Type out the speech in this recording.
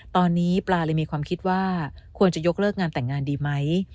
ตอนนี้ปลาเลยมีความคิดว่าควรจะยกเลิกงานแต่งงานดีไหม